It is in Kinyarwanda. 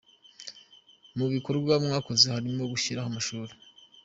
Mu bikorwa mwakoze harimo gushyiraho amashuri.